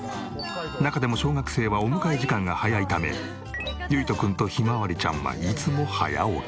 中でも小学生はお迎え時間が早いため結人くんと向日葵ちゃんはいつも早起き。